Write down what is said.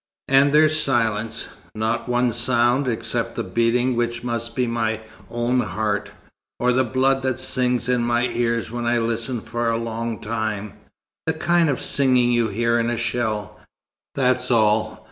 And there's silence not one sound, except the beating which must be my own heart, or the blood that sings in my ears when I listen for a long time the kind of singing you hear in a shell. That's all.